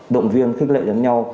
động viên khích lệ nhắn nhau